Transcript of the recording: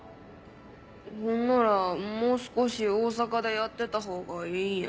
ほんならもう少し大阪でやってた方がいいんや？